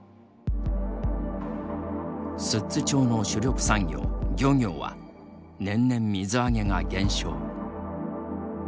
寿都町の主力産業漁業は年々水揚げが減少。